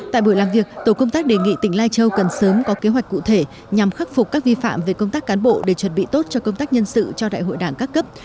tại buổi làm việc tổ công tác đề nghị tỉnh lai châu cần sớm có kế hoạch cụ thể nhằm khắc phục các vi phạm về công tác cán bộ để chuẩn bị tốt cho công tác nhân sự cho đại hội đảng các cấp